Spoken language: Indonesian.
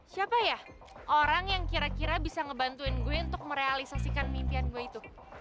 siapa ya orang yang kira kira bisa ngebantuin gue untuk merealisasikan mimpian gue itu